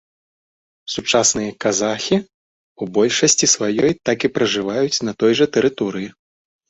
Сучасныя казахі ў большасці сваёй так і пражываюць на той жа тэрыторыі.